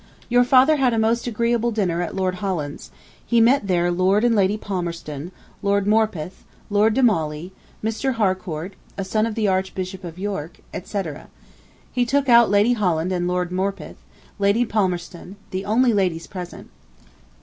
Your father had a most agreeable dinner at Lord Holland's. He met there Lord and Lady Palmerston, Lord Morpeth, Lord de Mauley, Mr. Harcourt, a son of the Archbishop of York, etc. He took out Lady Holland and Lord Morpeth, Lady Palmerston, the only ladies present.